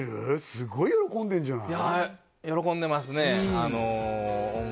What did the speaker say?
すごい喜んでんじゃない？